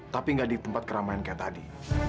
tapi nggak di tempat keramaian kayak tadi